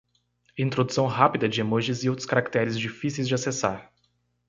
Introdução rápida de emojis e outros caracteres difíceis de acessar.